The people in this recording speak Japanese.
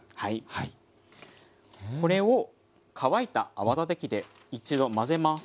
これを乾いた泡立て器で一度混ぜます。